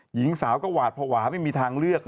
หญิงสาวก็หวาดภาวะไม่มีทางเลือก